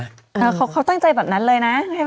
เออเขาเขาตั้งใจแบบนั้นเลยนะใช่ไหม